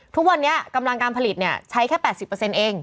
ทุกวันนี้กำลังการผลิตใช้แค่๘๐เอง